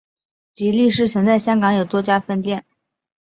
吉利市曾在香港有多家分店。